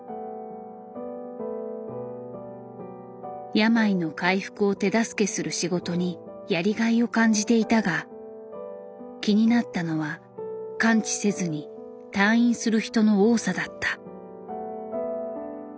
病の回復を手助けする仕事にやりがいを感じていたが気になったのは完治せずに退院する人の多さだった。